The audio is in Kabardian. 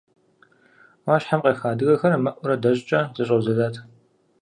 Ӏуащхьэм къеха адыгэхэр мэӏурэ дэщӏкӏэ зэщӏэузэдат.